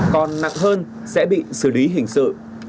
còn nặng hơn sẽ bị xử lý hình sự